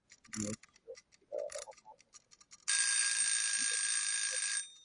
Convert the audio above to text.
কিন্তু রাজপ্রাসাদের সদর দরজার রক্ষীরা অমন গরিব রাখালকে ভেতরে ঢুকতে দেয় না।